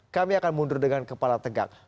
kami akan mundur dengan kepala tegak